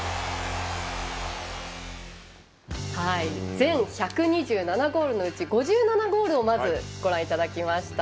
全１２７ゴールのうち５７ゴールをまずご覧いただきました。